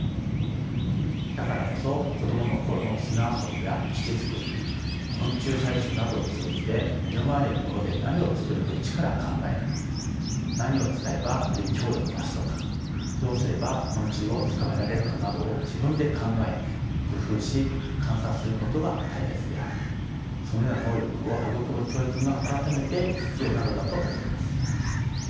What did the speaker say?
だからこそ子供の頃の砂遊びや基地作り昆虫採集などを通じて目の前にあるもので何を作るかをイチから考える何を使えばより強度が増すとかどうすれば昆虫を捕まえられるかなどを自分で考え工夫し観察することが大切でありそのような能力を育む教育が改めて必要なのだと思います。